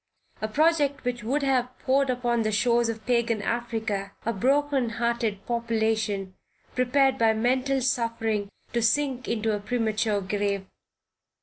A project which would have poured upon the shores of Pagan Africa, a broken hearted population, prepared by mental suffering to sink into a premature grave.